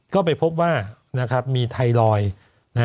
ก็ไปพบว่ามีไทรอยด์